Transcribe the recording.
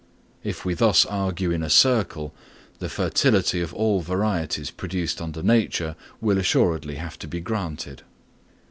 If we thus argue in a circle, the fertility of all varieties produced under nature will assuredly have to be granted.